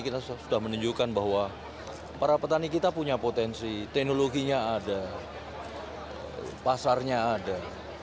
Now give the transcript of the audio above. kita sudah menunjukkan bahwa para petani kita punya potensi teknologinya ada pasarnya ada